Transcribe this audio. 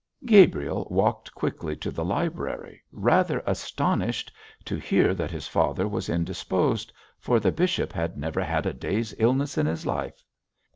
Gabriel walked quickly to the library, rather astonished to hear that his father was indisposed, for the bishop had never had a day's illness in his life.